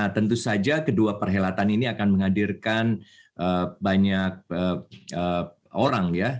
tentu saja kedua perhelatan ini akan menghadirkan banyak orang ya